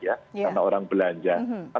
karena orang belanja